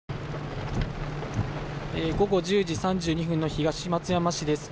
午後１０時３２分の東松山市です。